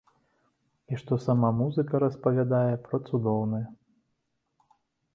І што сама музыка распавядае пра цудоўнае.